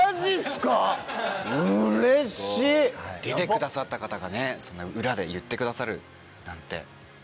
出てくださった方が裏で言ってくださるなんて。